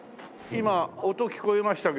今音聞こえましたけど。